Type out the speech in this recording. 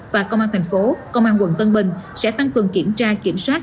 và công an thành phố công an quận tân bình sẽ tăng cường kiểm tra kiểm soát